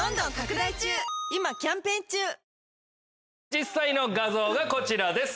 実際の画像がこちらです。